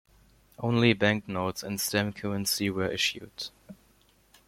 Only banknotes and stamp currency were issued.